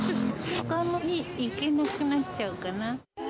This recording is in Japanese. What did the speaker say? ほかに行けなくなっちゃうかな。